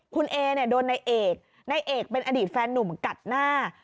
คุณเอเนี่ยโดนนายเอกนายเอกเป็นอดีตแฟนนุ่มกัดหน้า